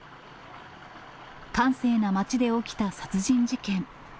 閑静な町で起きた殺人事件。